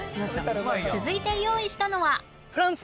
続いて用意したのは